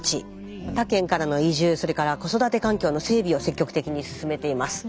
他県からの移住それから子育て環境の整備を積極的に進めています。